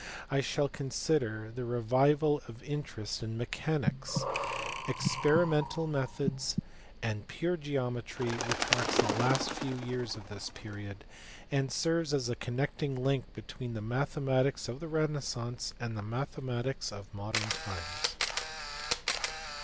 I shall consider the revival of interest in mechanics, experi mental methods, and pure geometry which marks the last few years of this period, and serves as a connecting link between the mathematics of the renaissance and the mathematics of modern times.